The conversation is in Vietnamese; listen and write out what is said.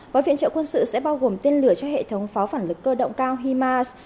gói viện trợ quân sự sẽ bao gồm tên lửa cho hệ thống pháo phản lực cơ động cao himas